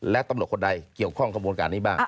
และตำรวจคนใดเกี่ยวข้องกระบวนการนี้บ้าง